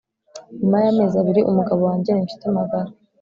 Nyuma yamezi abiri umugabo wanjye ninshuti magara